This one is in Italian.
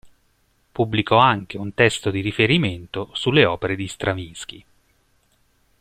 Pubblicò anche un testo di riferimento sulle opere di Stravinsky.